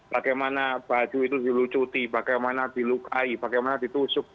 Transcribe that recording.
bagaimana baju itu dilucuti bagaimana dilukai